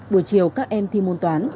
buổi chiều các em thi môn toán